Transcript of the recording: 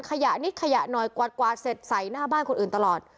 ขยะนิดขยะหน่อยกวาดเสร็จใส่หน้าบ้านคนอื่นตลอด